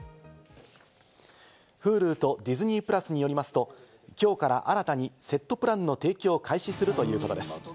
Ｈｕｌｕとディズニープラスによりますと、きょうから新たにセットプランの提供を開始するということです。